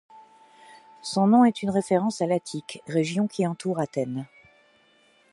Son nom est une référence à l'Attique, région qui entoure Athènes.